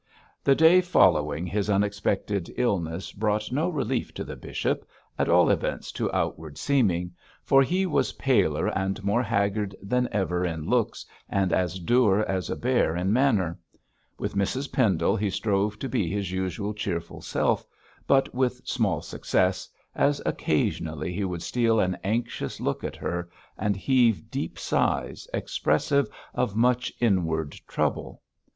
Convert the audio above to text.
The day following his unexpected illness brought no relief to the bishop, at all events to outward seeming, for he was paler and more haggard than ever in looks, and as dour as a bear in manner. With Mrs Pendle he strove to be his usual cheerful self, but with small success, as occasionally he would steal an anxious look at her, and heave deep sighs expressive of much inward trouble.